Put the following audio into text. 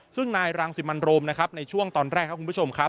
ซึ่งนายรังสิมันโรมนะครับในช่วงตอนแรกครับคุณผู้ชมครับ